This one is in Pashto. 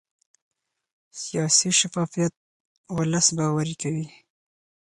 سیاسي شفافیت ولس باوري کوي